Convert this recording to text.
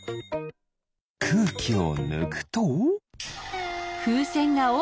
くうきをぬくと？